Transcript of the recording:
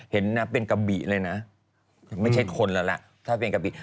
เห็นนะเป็นกะบิเลยนะไม่ใช่คนแล้วล่ะถ้าเป็นกะบิ